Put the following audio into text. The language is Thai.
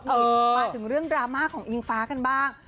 มาถึงเรื่องดราม่าของอิงฟ้ากันบ้าง